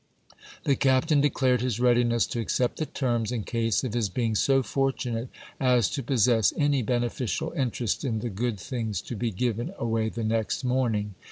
The captain declared his readiness to accept the terms, in case of his being so fortunate as to possess any beneficial interest in the good things to be given away the next morning.